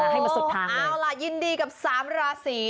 ให้มาสุดท้ายเลยโอ้โฮเอาล่ะยินดีกับสามราศรี